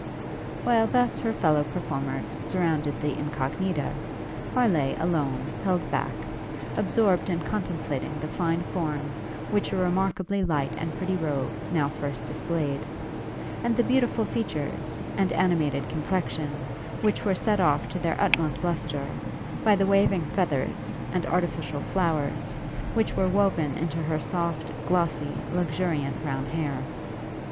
While thus her fellow performers surrounded the Incognita, Harleigh, alone, held back, absorbed in contemplating the fine form, which a remarkably light and pretty robe, now first displayed; and the beautiful features, and animated complexion, which were set off to their utmost lustre, by the waving feathers, and artificial flowers, which were woven into her soft, glossy, luxuriant brown hair.